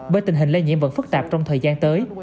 bởi tình hình lây nhiễm vẫn phức tạp trong thời gian tới